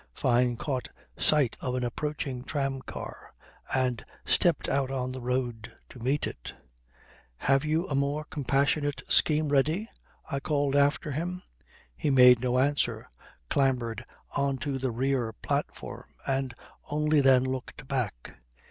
Fyne caught sight of an approaching tram car and stepped out on the road to meet it. "Have you a more compassionate scheme ready?" I called after him. He made no answer, clambered on to the rear platform, and only then looked back.